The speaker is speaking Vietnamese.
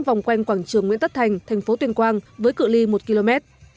vòng quanh quảng trường nguyễn tất thành thành phố tuyên quang với cự li một km